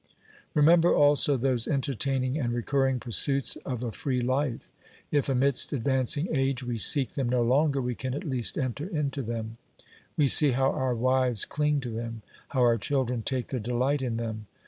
Remember also those entertaining and recurring pursuits of a free life ! If, amidst advancing age, we seek them no longer, we can at least enter into them ; we see how our wives cling to them, how our children take their delight in them.